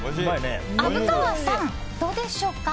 虻川さん、どうでしょうか？